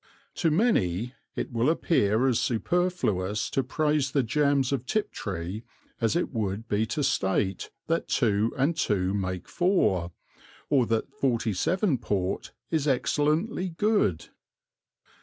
To many it will appear as superfluous to praise the jams of Tiptree as it would be to state that two and two make four, or that '47 port is excellently good.